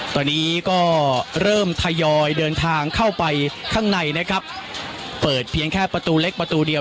ตอนนี้ก็เริ่มทยอยเดินทางเข้าไปข้างในนะครับเปิดเพียงแค่ประตูเล็กประตูเดียว